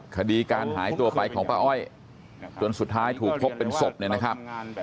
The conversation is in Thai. คดีการหายตัวไปของป้าอ้อยจนสุดท้ายถูกพบเป็นศพเนี่ยนะครับ